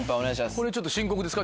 これちょっと深刻ですか？